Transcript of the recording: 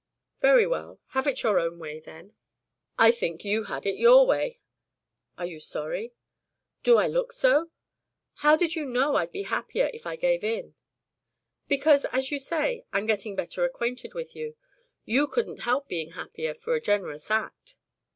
"Very well, have it your own way, then." "I think you had it your way." "Are you sorry?" "Do I look so? How did you know I'd be happier if I gave in?" "Because, as you say, I'm getting better acquainted with you. YOU couldn't help being happier for a generous act."